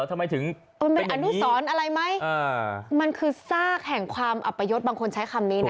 ทำไมถึงมันเป็นอนุสรอะไรไหมมันคือซากแห่งความอัปยศบางคนใช้คำนี้นะ